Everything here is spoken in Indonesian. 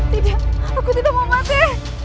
tidak aku tidak mau pakai